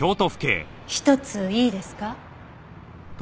一ついいですか？